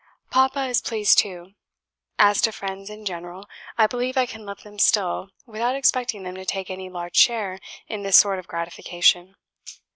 Papa is pleased too. As to friends in general, I believe I can love them still, without expecting them to take any large share in this sort of gratification.